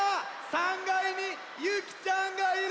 ３がいにゆきちゃんがいる！